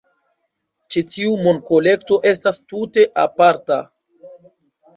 Ĉi tiu monkolekto estas tute aparta!